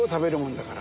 だから。